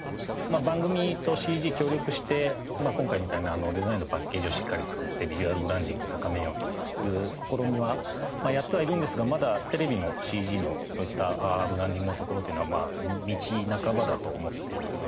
番組とＣＧ協力して今回みたいなデザインのパッケージをしっかり作ってビジュアルブランディングを高めようという試みはやってはいるんですがまだテレビのＣＧのそういったブランディングのところというのは道半ばだと思っています。